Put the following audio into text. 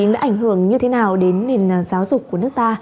đã ảnh hưởng như thế nào đến nền giáo dục của nước ta